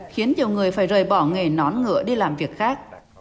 khiến nhiều người phải rời bỏ nghề nón ngựa đi làm việc khác